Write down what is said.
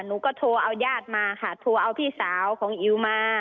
หนูก็โทรเอาญาติมาค่ะโทรเอาพี่สาวของอิ๋วมา